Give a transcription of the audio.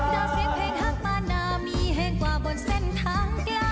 ดาวเสียงเพลงฮักมานามีแห่งกว่าวนเส้นทางไกล